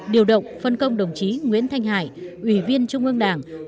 điều động phân công đồng chí nguyễn thanh hải ủy viên trung ương đảng